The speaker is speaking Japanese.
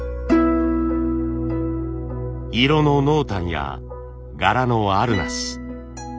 色の濃淡や柄のあるなし。